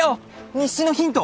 日誌のヒント